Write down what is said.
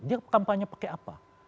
dia kampanye pakai apa